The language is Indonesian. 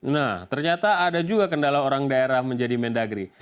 nah ternyata ada juga kendala orang daerah menjadi mendagri